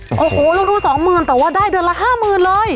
โอ้โหลงทุน๒หมื่นแต่ว่าได้เดือนละ๕หมื่นเลย